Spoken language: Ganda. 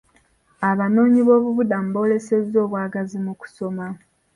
Abanoonyi b'obubudamu boolesezza obwagazi mu kusoma.